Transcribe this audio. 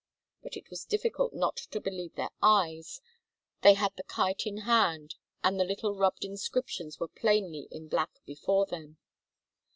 But it was difficult not to believe their eyes; they had the kite in hand and the little rubbed inscriptions were plainly in black before them.